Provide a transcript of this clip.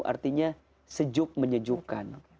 artinya sejuk menyejukkan